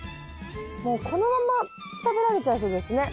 もうこのまま食べられちゃいそうですね